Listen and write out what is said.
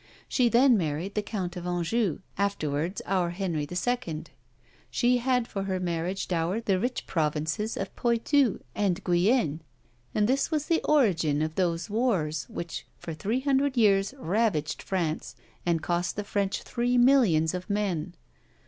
She then married the Count of Anjou, afterwards our Henry II. She had for her marriage dower the rich provinces of Poitou and Guienne; and this was the origin of those wars which for three hundred years ravaged France, and cost the French three millions of men.